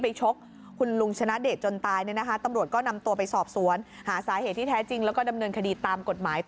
พ่อเค้าหนังแล้วที่นิ้งแม่ผม